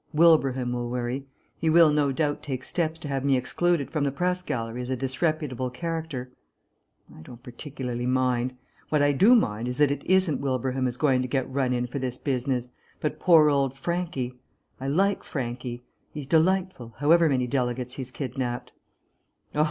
"Wilbraham will worry. He will, no doubt, take steps to have me excluded from the Press Gallery as a disreputable character. I don't particularly mind. What I do mind is that it isn't Wilbraham who's going to get run in for this business, but poor old Franchi. I like Franchi. He's delightful, however many delegates he's kidnapped."